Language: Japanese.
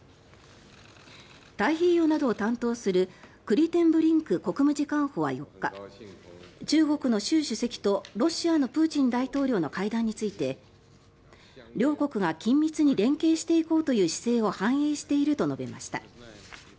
太平洋などを担当するクリテンブリンク国務次官補は４日中国の習主席とロシアのプーチン大統領の会談について両国が緊密に連携していこうという姿勢を反映していると述べました。